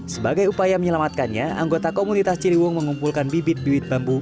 sebagai upaya menyelamatkannya anggota komunitas ciliwung mengumpulkan bibit bibit bambu